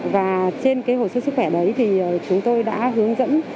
và trên hồ sơ sức khỏe đấy thì chúng tôi đã hướng dẫn